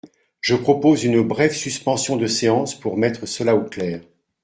Je propose une brève suspension de séance pour mettre cela au clair.